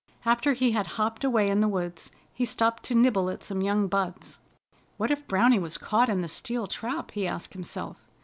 After he had hopped away in the woods, he stopped to nibble at some young buds. "What if Browny was caught in the steel trap?" he asked himself.